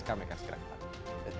kami akan segera kembali